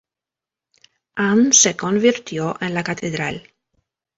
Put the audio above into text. Ann se convirtió en la catedral.